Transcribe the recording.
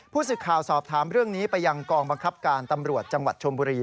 สึกข่าวสอบถามเรื่องนี้ไปยังกองบังคับการตำรวจจังหวัดชมบุรี